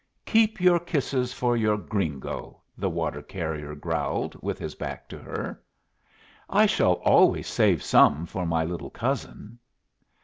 "Keep your kisses for your gringo," the water carrier growled, with his back to her. "I shall always save some for my little cousin."